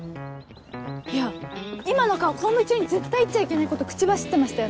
いや今の顔公務中に絶対言っちゃいけないこと口走ってましたよね？